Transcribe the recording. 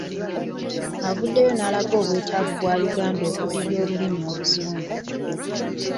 Avuddeyo n’alaga obwetaavu obwa Uganda okudibya olulimi Oluzungu.